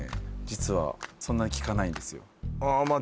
実はそんなにきかないんですよああま